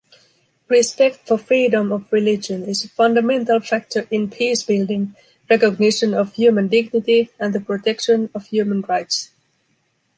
Respect for freedom of religion is a fundamental factor in peacebuilding, recognition of human dignity and the protection of human rights.